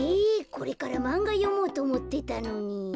これからマンガよもうとおもってたのに。